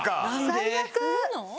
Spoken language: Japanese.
最悪！